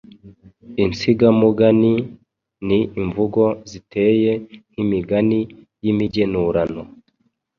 Insigamugani ni imvugo ziteye nk’imigani y’imigenurano,